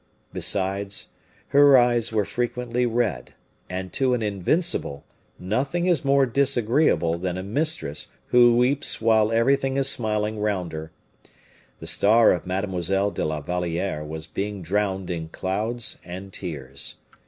Besides, her eyes were frequently red, and to an Invincible nothing is more disagreeable than a mistress who weeps while everything is smiling round her. The star of Mademoiselle de la Valliere was being drowned in clouds and tears.